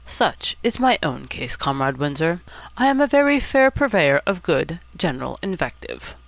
Such is my own case, Comrade Windsor. I am a very fair purveyor of good, general invective.